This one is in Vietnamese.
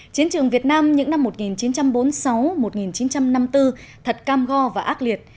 chiến trường việt nam những năm một nghìn chín trăm bốn mươi sáu một nghìn chín trăm năm mươi bốn thật cam go và ác liệt